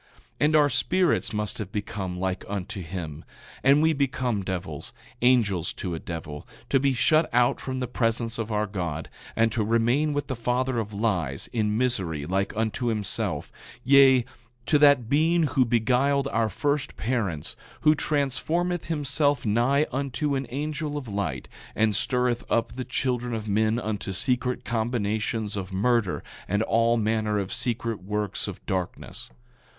9:9 And our spirits must have become like unto him, and we become devils, angels to a devil, to be shut out from the presence of our God, and to remain with the father of lies, in misery, like unto himself; yea, to that being who beguiled our first parents, who transformeth himself nigh unto an angel of light, and stirreth up the children of men unto secret combinations of murder and all manner of secret works of darkness.